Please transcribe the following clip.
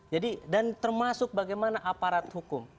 jadi dan termasuk bagaimana aparat hukum